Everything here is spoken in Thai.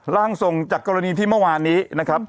ร่างทรงจากกรณีที่เมื่อวานนี้นะครับ